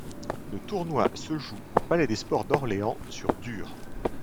Le tournoi se joue au palais des sports d'Orléans sur dur.